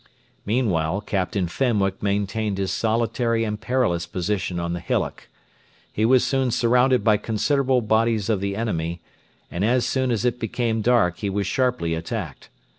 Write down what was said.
Meanwhile Captain Fenwick maintained his solitary and perilous position on the hillock. He was soon surrounded by considerable bodies of the enemy, and as soon as it became dark he was sharply attacked.